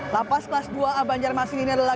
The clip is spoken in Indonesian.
lapas kelas dua a banjarmasin ini adalah